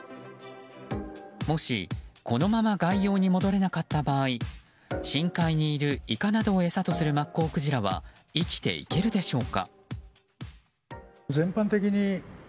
もし、このまま外洋に戻れなかった場合深海にいるイカなどを餌とするマッコウクジラは生きていけるでしょうか？